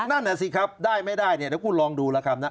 นั่นน่ะสิครับได้ไม่ได้เนี่ยเดี๋ยวคุณลองดูแล้วครับนะ